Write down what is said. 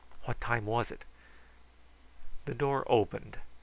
What time was it? The door opened.